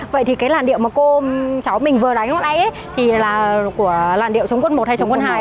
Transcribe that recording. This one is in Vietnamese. vậy thì cái làn điệu mà cô cháu mình vừa đánh ở đây thì là của làn điệu chống quân một hay chống quân hai ạ